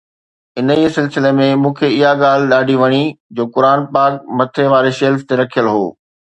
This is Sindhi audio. انهيءَ سلسلي ۾ مون کي اها ڳالهه ڏاڍي وڻي جو قرآن پاڪ مٿي واري شيلف تي رکيل هو